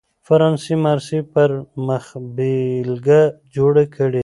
فرانسې مارسي پر مخبېلګه جوړ کړی.